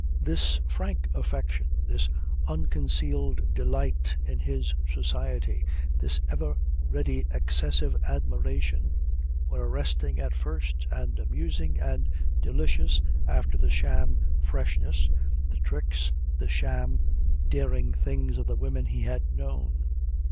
This frank affection, this unconcealed delight in his society, this ever ready excessive admiration, were arresting at first and amusing and delicious after the sham freshness, the tricks, the sham daring things of the women he had known.